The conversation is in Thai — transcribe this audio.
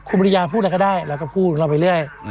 ครูบริยาพูดอะไรก็ได้กรุงร้อย